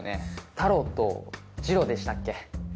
タロとジロでしたっけ？